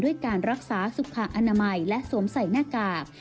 ด้วยการรักษาสุขอนามัยและสวมใส่หน้ากาก